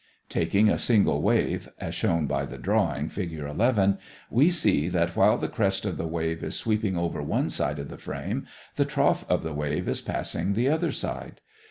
Taking a single wave, as shown by the drawing, Fig. 11, we see that while the crest of the wave is sweeping over one side of the frame, the trough of the wave is passing the other side.